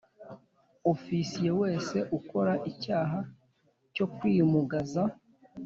Ofisiye wese ukora icyaha cyo kwimugaza